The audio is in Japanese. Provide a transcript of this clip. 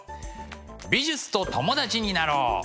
美術と友達になろう！